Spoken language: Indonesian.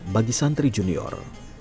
bagi santri junior